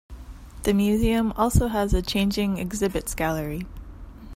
The museum also has a changing exhibits gallery.